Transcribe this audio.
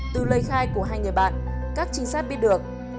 từ lời khai của hai người bạn các trinh sát biết được